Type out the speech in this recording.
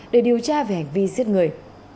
để điều tra về hành vi giết người